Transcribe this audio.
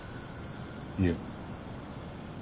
いえ。